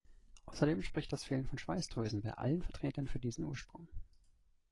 Außerdem spricht das Fehlen von Schweißdrüsen bei allen Vertretern für diesen Ursprung.